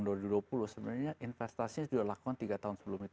sebenarnya investasinya sudah dilakukan tiga tahun sebelum itu